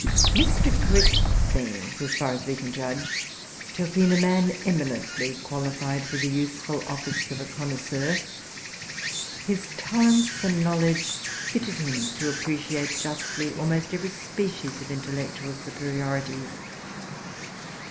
Mr. Crisp seems, as far as we can judge, to have been a man eminently qualified for the useful office of a connoisseur. His talents and knowledge fitted him to appreciate justly almost every species of intellectual superiority.